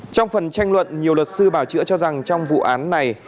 trong phần tranh luận nhiều luật sư bảo chữa cho rằng trong vụ án này